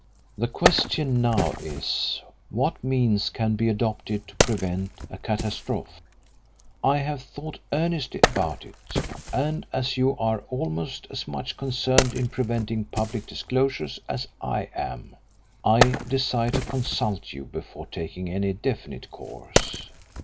"The question now is what means can be adopted to prevent a catastrophe. I have thought earnestly about it, and as you are almost as much concerned in preventing public disclosures as I am, I desired to consult you before taking any definite course.